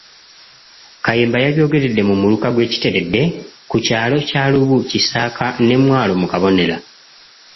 Kayemba yabyogeredde mu Muluka gw'e Kiteredde ku byalo Kyalubu, Kisaaka ne Mwalo mu Kabonera.